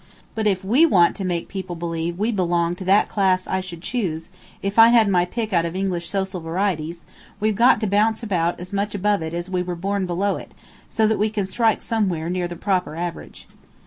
But if we want to make people believe we belong to that class I should choose, if I had my pick out of English social varieties, we've got to bounce about as much above it as we were born below it, so that we can strike somewhere near the proper average."